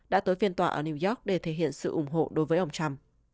đã tới phiên tòa ở new york để thể hiện sự ủng hộ đối với ông trump